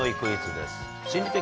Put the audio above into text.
心理的